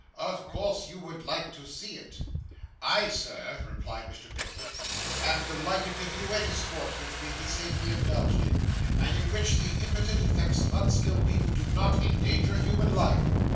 'Of course you would like to see it.' 'I, sir,' replied Mr. Pickwick, 'am delighted to view any sports which may be safely indulged in, and in which the impotent effects of unskilful people do not endanger human life.